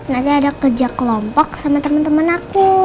nanti ada kerja kelompok sama temen temen aku